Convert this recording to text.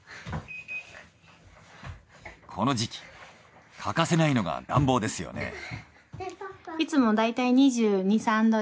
この時期欠かせないのが暖房ですよね。